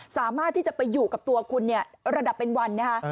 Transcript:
สามารถที่จะไปอยู่กับตัวคุณเนี่ยระดับเป็นวันนะคะ